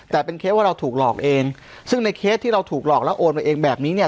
แต่เป็นเคสว่าเราถูกหลอกเองซึ่งในเคสที่เราถูกหลอกแล้วโอนมาเองแบบนี้เนี่ย